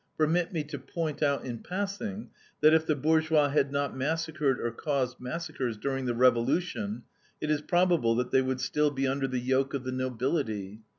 Permit me to point out in passing that, if the bourgeois had not massacred or caused massacres during the Revolution, it is probable that they would still be under the yoke of the nobility.